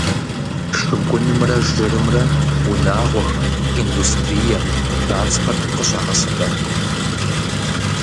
Шыгунымрэ жырымрэ унагъуэхэм, индустрием, транспортым къыщагъэсэбэп.